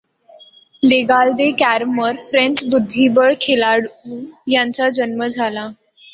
लेगाल de Kermeur, French बुद्धिबळ खेळाडू यांचा जन्म झाला.